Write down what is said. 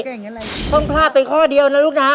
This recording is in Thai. เก่งกันเลยต้องพลาดไปข้อเดียวนะลูกนะฮะ